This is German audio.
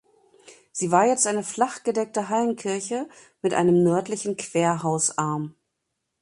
Sie war jetzt eine flachgedeckte Hallenkirche mit einem nördlichen Querhausarm.